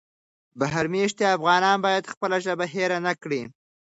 بهر مېشتي افغانان باید خپله ژبه هېره نه کړي.